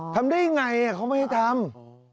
ทำได้ยังไงเขาไม่ได้ทำ